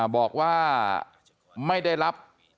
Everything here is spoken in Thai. บอกว่าไม่ได้รับ